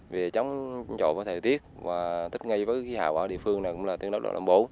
về chống chổ với thời tiết và tích ngay với khí hào ở địa phương này cũng là tương đối đoạn đồng bố